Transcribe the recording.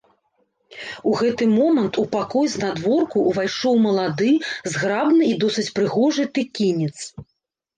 У гэты момант у пакой знадворку ўвайшоў малады, зграбны і досыць прыгожы тэкінец.